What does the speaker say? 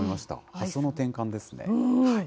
発想の転換ですね。